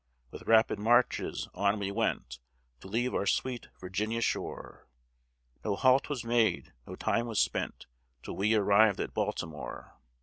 With rapid marches on we went, To leave our sweet Virginia shore, No halt was made, no time was spent, Till we arrived at Baltimore.